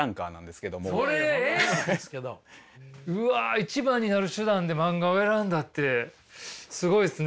うわ一番になる手段で漫画を選んだってすごいっすね。